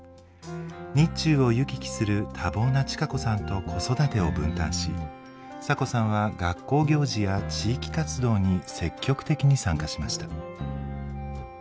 日中を行き来する多忙な千賀子さんと子育てを分担しサコさんは学校行事や地域活動に積極的に参加しました。